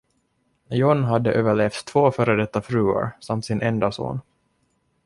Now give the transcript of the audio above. John hade överlevt två före detta fruar samt sin enda son.